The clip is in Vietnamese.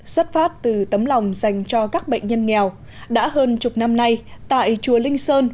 xuất phát từ tấm lòng dành cho các bệnh nhân nghèo đã hơn chục năm nay tại chùa linh sơn